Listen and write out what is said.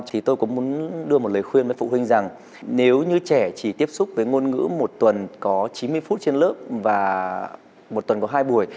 thì tôi cũng muốn đưa một lời khuyên với phụ huynh rằng nếu như trẻ chỉ tiếp xúc với ngôn ngữ một tuần có chín mươi phút trên lớp và một tuần có hai buổi